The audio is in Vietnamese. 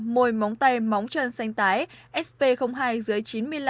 môi móng tay móng chân xanh tái sp hai dưới chín mươi năm